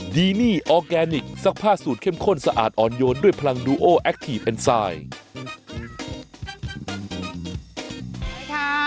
ดีนี่ออร์แกนิคซักผ้าสูตรเข้มข้นสะอาดอ่อนโยนด้วยพลังดูโอแอคทีฟเอ็นไซด์